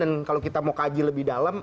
dan kalau kita mau kaji lebih dalam